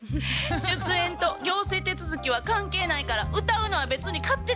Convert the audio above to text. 出演と行政手続きは関係ないから歌うのは別に勝手でしょ？